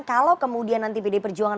kalau kemudian nanti pd perjuangan